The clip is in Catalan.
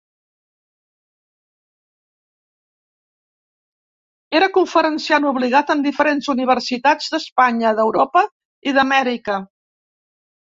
Era conferenciant obligat en diferents Universitats d'Espanya, d'Europa i d'Amèrica.